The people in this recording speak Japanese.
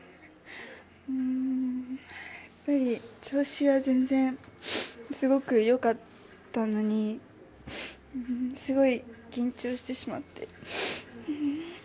やっぱり調子は全然すごく良かったのにすごい緊張してしまって。